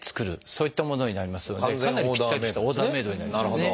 そういったものになりますのでかなりぴったりしたオーダーメードになりますね。